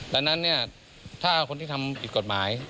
ดังนั้นเนี่ยถ้าคนที่ทำผิดกฎหมาย